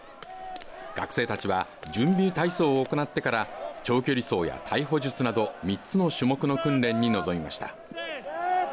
学生たちは準備体操を行ってから長距離走や逮捕術など３つの種目の訓練に臨みました。